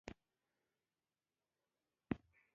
دېرش زره افغانۍ د اومه موادو په پېرلو لګېږي